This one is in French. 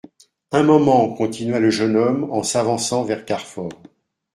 Un moment, continua le jeune homme en s'avançant vers Carfor.